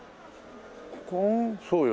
そうよ